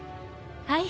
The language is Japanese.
はい。